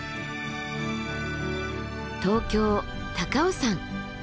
東京高尾山。